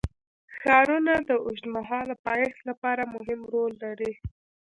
ښارونه د اوږدمهاله پایښت لپاره مهم رول لري.